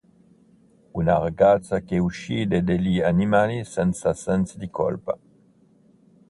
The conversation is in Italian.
Una ragazza che uccide degli animali senza sensi di colpa.